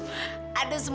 ada semuanya ludes